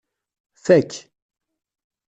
Fak.